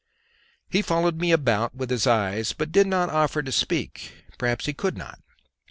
He followed me about with his eyes but did not offer to speak; perhaps he could not.